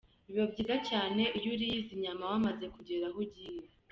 Biba byiza cyane iyo uriye izi nyama wamaze kugera aho ugiye.